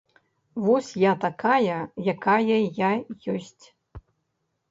Вось я такая, якая я ёсць.